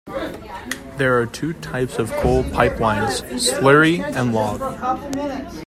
There are two types of coal pipelines, slurry and log.